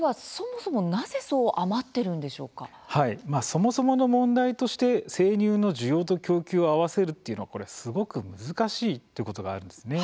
そもそもの問題として生乳の需要と供給を合わせるっていうのは、これすごく難しいということがあるんです。